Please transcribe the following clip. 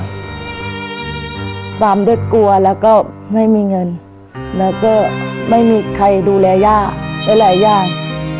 ตามด้วยกลัวแล้วก็ไม่มีเงินแล้วก็ไม่มีใครดูแลย่าหลายอย่าง